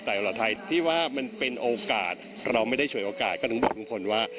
แต่ตลอดไทยที่ว่ามันเป็นโอกาสเราไม่ได้ฉวยโอกาสก็ถึงบอกลุงพลว่า